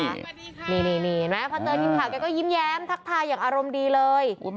พอเจอชิมถามกันก็ยิ้มแยมทักทายอย่างอารมณ์ดีเลย